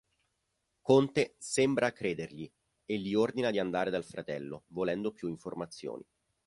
Conte sembra credergli e gli ordina di andare dal fratello, volendo più informazioni.